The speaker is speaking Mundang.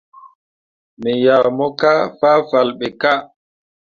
Me yah mo kah fahfalle ɓe kah.